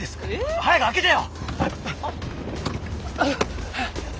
早く開けてよ！